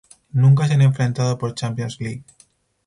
Nunca se han enfrentado por Champions League.